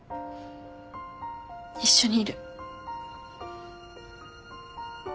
一緒にいる。